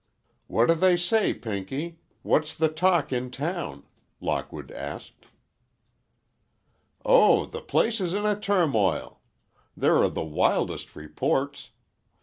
"What do they say, Pinky? What's the talk in town?" Lockwood asked. "Oh, the place is in a turmoil. There are the wildest reports.